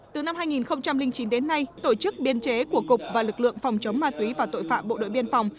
từ năm hai nghìn chín đến nay tổ chức biên chế của cục và lực lượng phòng chống ma túy và tội phạm bộ đội biên phòng